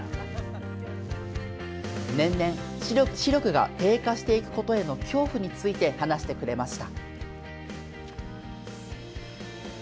年々、視力が低下していくことへの恐怖について話してくれました。